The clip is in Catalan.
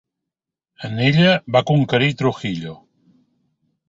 En ella van conquerir Trujillo.